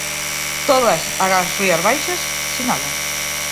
Todas agás Rías Baixas, sinalan.